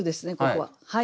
ここは。